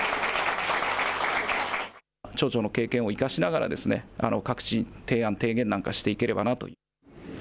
町長の経験を生かしながら、各地、提案提言なんかをしていければなと。